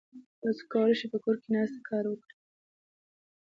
تاسو کولای شئ په کور کې ناست کار وکړئ.